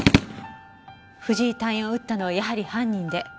藤井隊員を撃ったのはやはり犯人で。